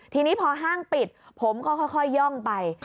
ทีนี้พอห้างปิดผมก็ค่อยย่องไป